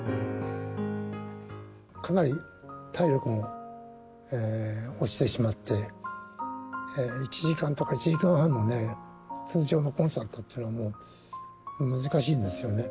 かなり体力も落ちてしまって、１時間とか１時間半もね、通常のコンサートっていうのはもう難しいんですよね。